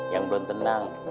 yang belum tenang